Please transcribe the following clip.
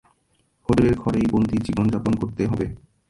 হোটেলের ঘরেই বন্দি জীবন-যাপন করতে হবে।